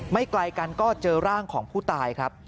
ไกลกันก็เจอร่างของผู้ตายครับ